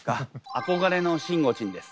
憧れのしんごちんです。